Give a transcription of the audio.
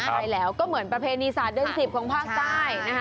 ใช่แล้วก็เหมือนประเพณีศาสตร์เดือน๑๐ของภาคใต้นะคะ